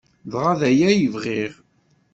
Dɣa d aya ay bɣiɣ.